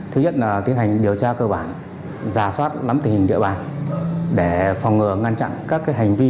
thứ nhất là tiến hành điều tra cơ bản giả soát nắm tình hình địa bàn để phòng ngừa ngăn chặn các hành vi